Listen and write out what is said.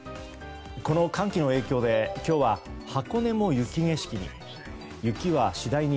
この寒気の影響で今日は箱根も雪景色に。